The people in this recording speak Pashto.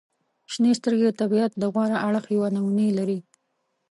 • شنې سترګې د طبیعت د غوره اړخ یوه نمونې لري.